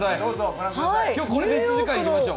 今日これで１時間いきましょう。